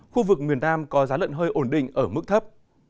khu vực miền nam có giá lợn hơi ổn định ở mức thấp